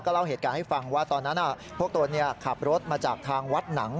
เล่าเหตุการณ์ให้ฟังว่าตอนนั้นพวกตนขับรถมาจากทางวัดหนัง